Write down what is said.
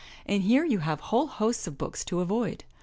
And here you have whole hosts of books to avoid.